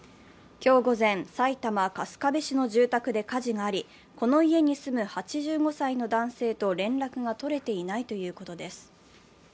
今日午前、埼玉・春日部市の住宅で火事があり、この家に住む８５歳の男性と連絡が取れていないということです。